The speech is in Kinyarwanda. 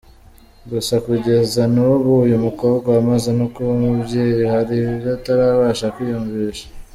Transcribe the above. Gusa kugeza n’ubu, uyu mukobwa wamaze no kuba umubyeyi hari ibyo atarabasha kwiyumvisha.